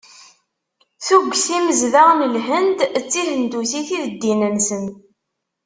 Tuget imezdaɣ n Lhend d tihendusit i d ddin-nsen.